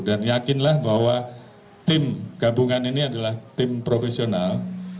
dan yakinlah bahwa tim gabungan ini adalah tim profesional